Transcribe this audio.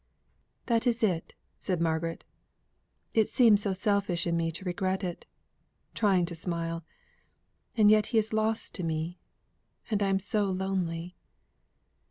"That is it," said Margaret. "It seems so selfish in me to regret it," trying to smile, "and yet he is lost to me, and I am so lonely."